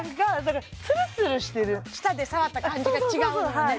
歯の裏ね舌で触った感じが違うのよね